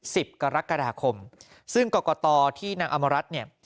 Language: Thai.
สิบกรกฎาคมซึ่งกรกตที่นางอมรัฐเนี่ย